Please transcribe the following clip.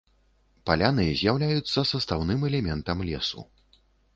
Паляны з'яўляюцца састаўным элементам лесу.